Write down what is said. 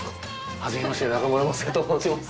はじめまして中村昌也と申します。